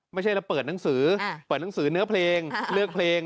ไม่ใช่แล้วเปิดหนังสือเปิดหนังสือเนื้อเพลงเลือกเพลง